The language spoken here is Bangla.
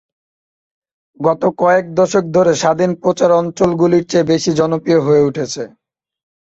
গত কয়েক দশক ধরে, স্বাধীন প্রচার অঞ্চলগুলির চেয়ে বেশি জনপ্রিয় হয়ে উঠেছে।